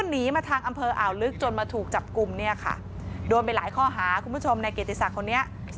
ทำร้ายร่างกายแฟน